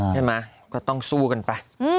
ใช่ไหมก็ต้องสู้กันไป